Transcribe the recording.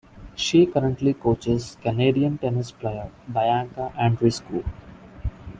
She currently coaches Canadian tennis player Bianca Andreescu.